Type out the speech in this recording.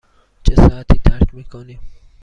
چه ساعتی ترک می کنیم؟